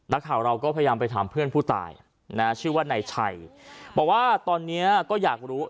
นักข่าวเราก็พยายามไปถามเพื่อนผู้ตายนะชื่อว่านายชัยบอกว่าตอนนี้ก็อยากรู้